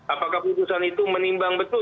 apakah putusan itu menimbang betul